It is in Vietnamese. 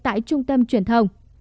tại trung tâm truyền thông